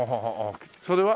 それは？